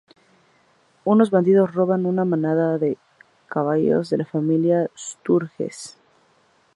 Unos bandidos roban una manada de caballos de la familia Sturges.